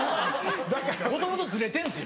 もともとずれてんすよ。